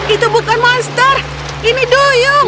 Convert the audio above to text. itu bukan monster ini duyung